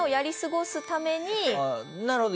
なるほど。